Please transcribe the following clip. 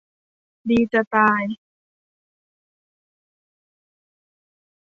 ดีจะตาย